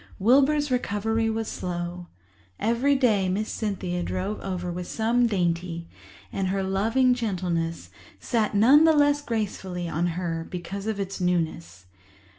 Wilbur's recovery was slow. Every day Miss Cynthia drove over with some dainty, and her loving gentleness sat none the less gracefully on her because of its newness.